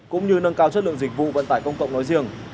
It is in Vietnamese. cũng như nâng cao chất lượng dịch vụ vận tải công cộng nói riêng